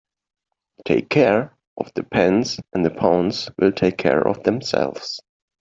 Take care of the pence and the pounds will take care of themselves.